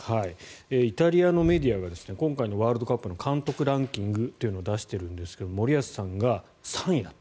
イタリアのメディアが今回のワールドカップの監督ランキングを出しているんですが森保さんが３位だった。